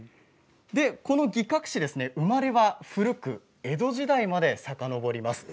この擬革紙、生まれは古く江戸時代までさかのぼります。